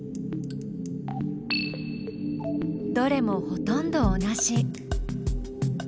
どれもほとんど同じ。